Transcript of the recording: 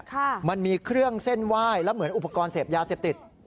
มันมีเครื่องเส้นไหว้แล้วเหมือนอุปกรณ์เสพยาเสพติด